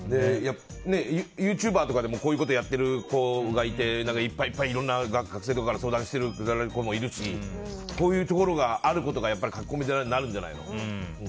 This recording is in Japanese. ユーチューバーとかでもこういうことやってる子がいていっぱいいろんな学生から相談を受けている人もいるしこういうところがあることが駆け込み寺になるんじゃないの。